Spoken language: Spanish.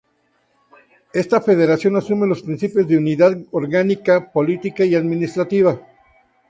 Esta Federación asume los principios de unidad orgánica, política y administrativa.